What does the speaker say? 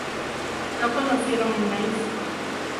No conocieron el maíz.